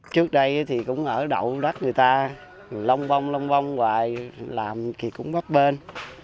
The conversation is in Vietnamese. trước đây thì cũng ở đậu đất người ta lông bông lông bông hoài làm thì cũng bắt bên